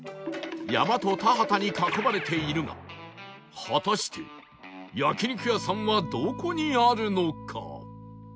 山と田畑に囲まれているが果たして焼肉屋さんはどこにあるのか？